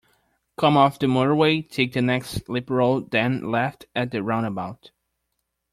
Come off the motorway, take the next slip-road, then left at the roundabout